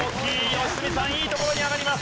良純さんいい所に上がります。